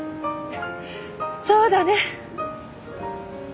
そうだね。